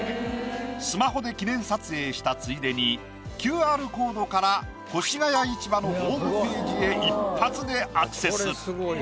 スマホで記念撮影したついでにＱＲコードから越谷市場のホームページへ一発でアクセス。